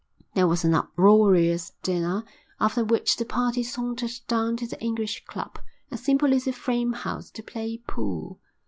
There was an uproarious dinner, after which the party sauntered down to the English Club, a simple little frame house, to play pool.